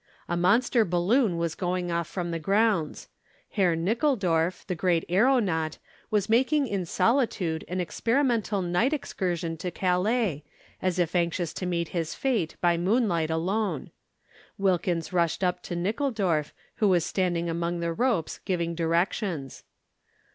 A monster balloon was going off from the grounds. Herr Nickeldorf, the great aeronaut, was making in solitude an experimental night excursion to Calais, as if anxious to meet his fate by moonlight alone. Wilkins rushed up to Nickeldorf, who was standing among the ropes giving directions.